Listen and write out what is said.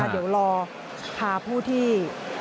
เดี๋ยวรอพาผู้ที่